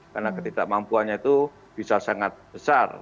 karena ketidakmampuannya itu bisa sangat besar